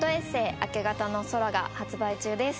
「明け方の空」が発売中です